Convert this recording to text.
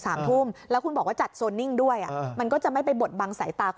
แต่ว่าต้องทำให้ลงตัว